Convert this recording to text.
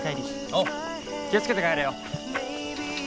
おう気を付けて帰れよ。